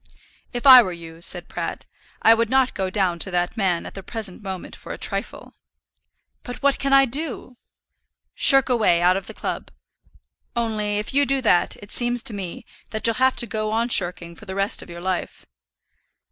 "If I were you," said Pratt, "I would not go down to that man at the present moment for a trifle." "But what can I do?" "Shirk away out of the club. Only if you do that it seems to me that you'll have to go on shirking for the rest of your life."